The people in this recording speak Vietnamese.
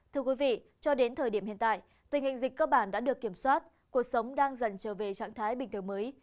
thưa quý vị cho đến thời điểm hiện tại tình hình dịch cơ bản đã được kiểm soát cuộc sống đang dần trở về trạng thái bình thường mới